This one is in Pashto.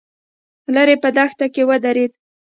ليرې په دښته کې ودرېد.